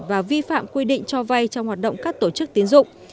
và vi phạm quy định cho vay trong hoạt động các tổ chức tiến dụng